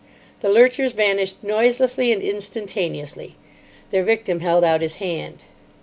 The lurchers vanished noiselessly and instantaneously. Their victim held out his hand.